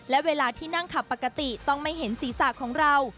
และเวลาที่นั่งขับปกติต้องไม่เห็นศีรษะของเรา